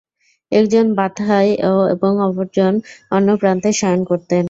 একজন বাতহায় এবং অপরজন অন্য প্রান্তে শয়ন করতেন।